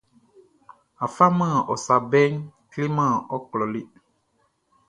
A faman ɔ sa bɛʼn kleman ɔ klɔʼn le.